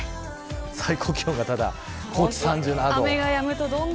最高気温が高知３７度。